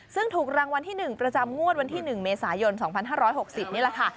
ซึ่งถูกรางวัลที่๑ประจำงวดวันที่๑เมษายน๒๕๖๐นี่แหละค่ะ